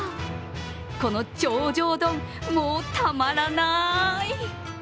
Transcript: この頂上丼、もうたまらない。